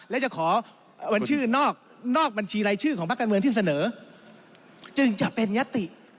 และจะขอวันชื่อนอกบัญชีรายชื่อของภาคการเมืองที่เสนอจึงจะเป็นยติ